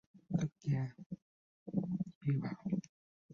May mắn mà nó mang lại cho chủ nhân ngày càng cao